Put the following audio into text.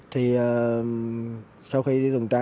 thì sau khi đi dùng tra